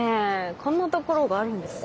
こんなところがあるんですね。